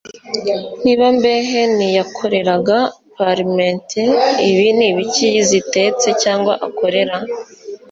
Niba mbehe ni yakoreraga "Parmentier" ibi ni ibiki zitetse Cyangwa akorera?